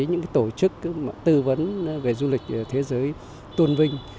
những tổ chức tư vấn về du lịch thế giới tôn vinh